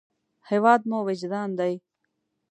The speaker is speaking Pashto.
هېواد مو وجدان دی